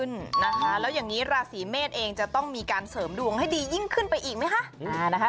นะคะแล้วอย่างนี้ราศีเมษเองจะต้องมีการเสริมดวงให้ดียิ่งขึ้นไปอีกไหมคะ